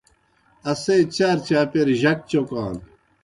اسے چارچاپیر جک چوکان۔